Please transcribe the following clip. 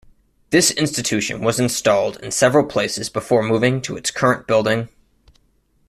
This institution was installed in several places before moving to its current building.